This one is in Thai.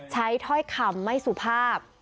ถ้อยคำไม่สุภาพ